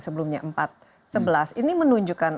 sebelumnya empat sebelas ini menunjukkan